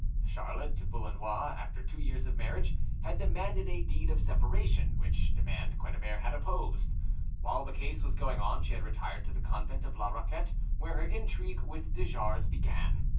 Charlotte Boullenois, after two years of marriage, had demanded a deed of separation, which demand Quennebert had opposed. While the case was going on she had retired to the convent of La Raquette, where her intrigue with de Jars began.